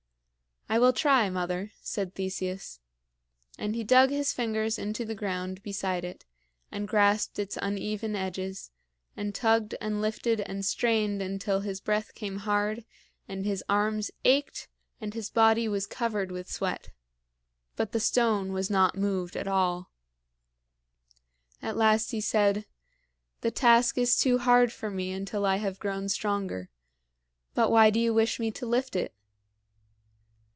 "I will try, mother," said Theseus. And he dug his fingers into the ground beside it, and grasped its uneven edges, and tugged and lifted and strained until his breath came hard and his arms ached and his body was covered with sweat; but the stone was moved not at all. At last he said, "The task is too hard for me until I have grown stronger. But why do you wish me to lift it?"